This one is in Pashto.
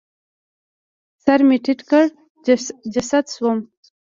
سر مې ټیټ کړ، سجده شوم